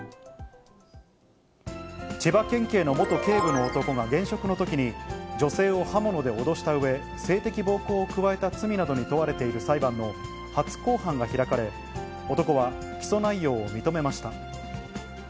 千葉県警の元警部の男が現職のときに女性を刃物で脅したうえ、性的暴行を加えた罪などに問われている裁判の初公判が開かれ、男は起訴内容を認めました。